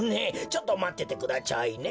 ちょっとまっててくだちゃいね。